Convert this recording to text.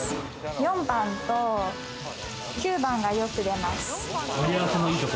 ４番と９番がよく出ます。